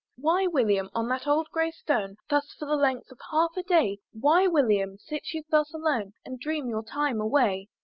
"Why William, on that old grey stone, "Thus for the length of half a day, "Why William, sit you thus alone, "And dream your time away?